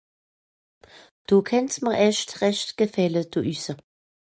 No kànn's mìr erscht rächt gfàlle do hüsse